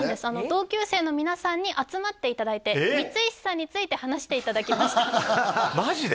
同級生の皆さんに集まっていただいて光石さんについて話していただきましたマジで？